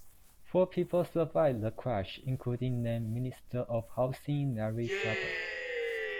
Four people survived the crash, including then Minister of Housing, Larry Shaben.